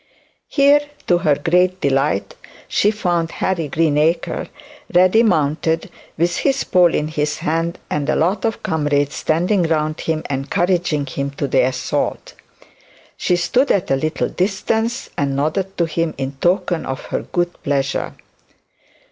Here to her great delight she found Harry Greenacre ready mounted, with his pole in his hand, and a lot of comrades standing round him, encouraging him to the assault. She stood at a little distance and nodded to him in token of her good pleasure.